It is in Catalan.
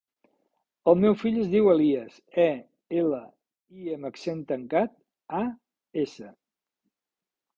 El meu fill es diu Elías: e, ela, i amb accent tancat, a, essa.